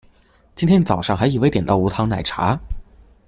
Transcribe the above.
今天早上還以為點到無糖奶茶